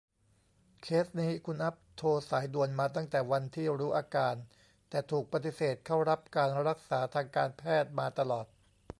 เคสนี้คุณอัพโทรสายด่วนมาตั้งแต่วันที่รู้อาการ แต่ถูกปฎิเสธเข้ารับการรักษาทางการแพทย์มาตลอด